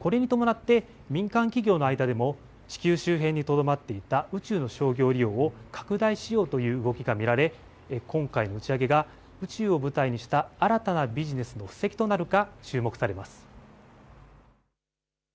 これに伴って民間企業の間でも地球周辺にとどまっていた宇宙の商業利用を拡大しようという動きが見られ今回の打ち上げが宇宙を舞台にした新たなビジネスの布石となるか注目されます。